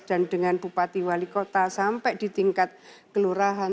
dan dengan bupati wali kota sampai di tingkat kelurahan